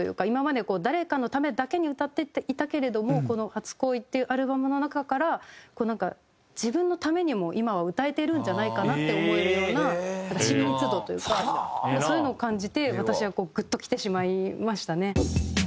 今までこう誰かのためだけに歌っていたけれどもこの『初恋』っていうアルバムの中からこうなんか自分のためにも今は歌えているんじゃないかなって思えるような親密度というかそういうのを感じて私はこうグッときてしまいましたね。